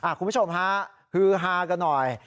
คุณผู้ชมฮะฮือฮากันหน่อย